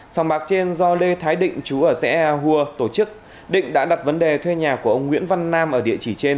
sòng bạc trên do lê thái định chú ở xã ea hùa tổ chức định đã đặt vấn đề thuê nhà của ông nguyễn văn nam ở địa chỉ trên